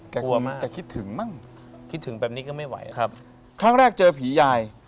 กลัวมันจะคิดถึงมั่งคิดถึงแบบนี้ก็ไม่ไหวครับครั้งแรกเจอผียาย